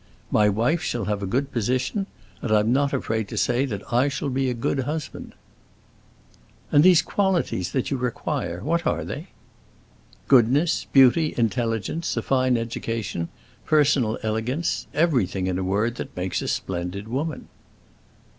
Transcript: My wife shall have a good position, and I'm not afraid to say that I shall be a good husband." "And these qualities that you require—what are they?" "Goodness, beauty, intelligence, a fine education, personal elegance—everything, in a word, that makes a splendid woman."